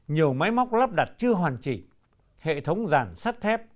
nhiều máy móc lắp đặt chưa hoàn chỉnh hệ thống giàn sắt thép